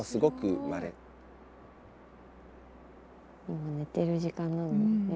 今寝てる時間なのね。